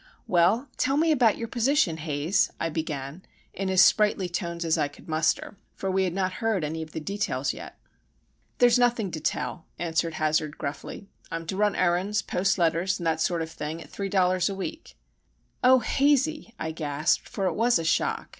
"Well, tell me about your position, Haze," I began, in as sprightly tones as I could muster; for we had not heard any of the details yet. "There's nothing to tell," answered Hazard, gruffly. "I'm to run errands, post letters, and that sort of thing, at three dollars a week." "Oh, Hazey!" I gasped, for it was a shock.